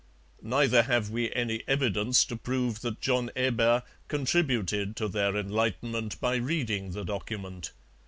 Neither have we any evidence to prove that John Hebert contributed to their enlightenment by reading the document.